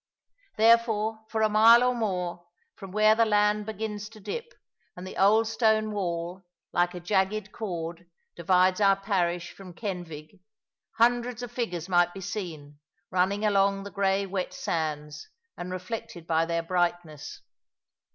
Therefore, for a mile or more, from where the land begins to dip, and the old stone wall, like a jagged cord, divides our parish from Kenfig, hundreds of figures might be seen, running along the grey wet sands, and reflected by their brightness.